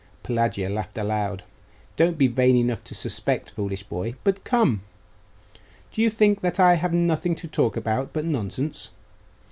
Pelagia laughed aloud. 'Don't be vain enough to suspect, foolish boy, but come! Do you think that I have nothing to talk about but nonsense?